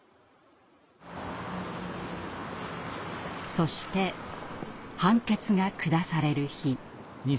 そして判決が下される日。